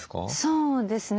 そうですね。